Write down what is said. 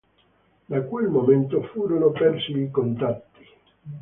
Da quel momento furono persi i contatti.